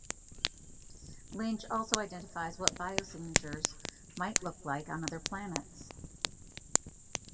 Lynch also identifies what biosignatures might look like on other planets.